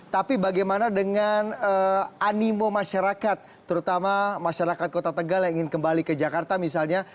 tapi bagaimana dengan animo masyarakat terutama masyarakat kota tegal yang ingin kembali ke jakarta misalnya